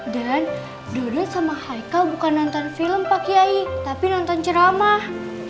dan dodot sama haikal bukan nonton film pak yai tapi nonton ceramah